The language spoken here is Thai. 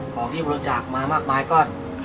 ของที่ผมรู้จักมามากมายก็